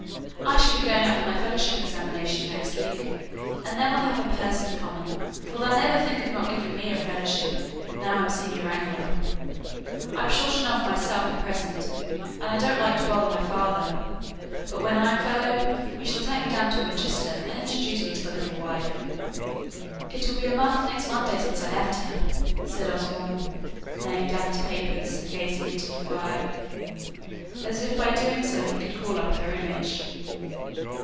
I shall be going up for my Fellowship examination next week, and then we'll have a purse in common, for they'll never think of not giving me a Fellowship now I'm senior wrangler. I'm short enough myself at present, and I don't like to bother my father; but when I'm Fellow, you shall take me down to Winchester, and introduce me to the little wife." "It will be a month next Monday since I left her," said Osborne, laying down his papers and gazing into the fire, as if by so doing he could call up her image.